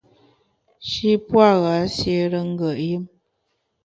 Shî pua’ gha siére ngùet yùm.